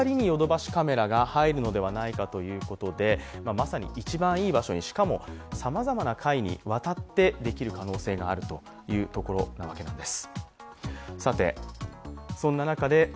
まさに一番いい場所に、しかもさまざまな階にわたってできる可能性があるというわけです。